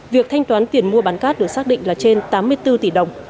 việc thanh toán tiền mua bán cát được xác định là trên tám mươi bốn tỷ đồng